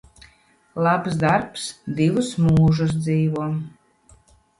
Labs darbs divus mūžus dzīvo.